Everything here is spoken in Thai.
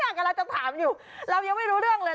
กำลังจะถามอยู่เรายังไม่รู้เรื่องเลย